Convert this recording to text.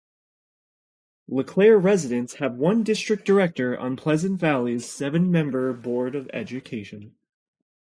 LeClaire residents have one district director on Pleasant Valley's seven-member board of education.